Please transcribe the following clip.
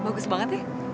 bagus banget ya